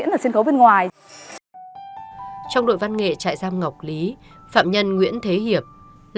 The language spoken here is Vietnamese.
ước mơ bước tiếp con đường nghệ thuật của phạm nhân nguyễn thị hiền